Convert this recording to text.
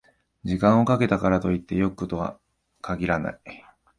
時間をかけたからといって良くなるとは限らない